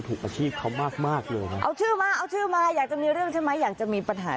อาชีพเขามากมากเลยครับเอาชื่อมาเอาชื่อมาอยากจะมีเรื่องใช่ไหมอยากจะมีปัญหา